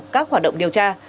các hoạt động điều tra